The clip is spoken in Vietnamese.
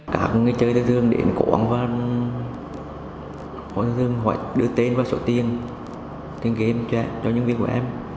các người chơi thương thương để em cố gắng và hỏi thương thương hỏi đưa tên và số tiền tên game cho em cho nhân viên của em